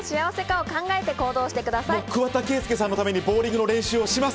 桑田佳祐さんのためにボウリングの練習をします！